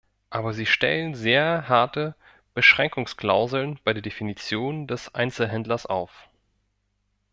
Aber Sie stellen sehr harte Beschränkungsklauseln bei der Definition des Einzelhändlers auf.